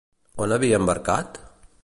On havia embarcat?